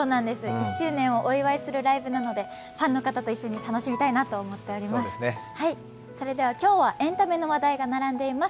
１周年をお祝いするライブなので、ファンの皆様と楽しみたいなと思っております。